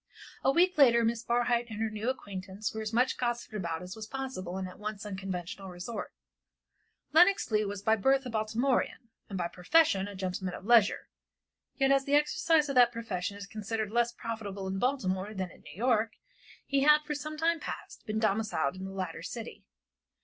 A week later Miss Barhyte and her new acquaintance were as much gossiped about as was possible in that once unconventional resort. Lenox Leigh was by birth a Baltimorean, and by profession a gentleman of leisure, yet as the exercise of that profession is considered less profitable in Baltimore than in New York, he had, for some time past, been domiciled in the latter city.